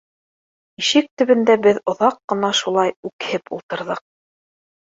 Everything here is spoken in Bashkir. Ишек төбөндә беҙ оҙаҡ ҡына шулай үкһеп ултырҙыҡ.